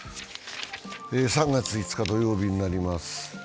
３月５日、土曜日になります。